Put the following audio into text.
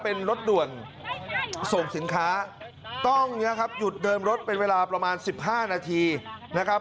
เป็นรถด่วนส่งสินค้าต้องเนี่ยครับหยุดเดินรถเป็นเวลาประมาณ๑๕นาทีนะครับ